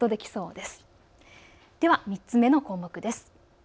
では３つ目の項目です。